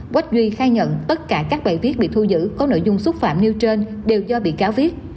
quách duy khai nhận tất cả các bài viết bị thu giữ có nội dung xúc phạm nêu trên đều do bị cáo viết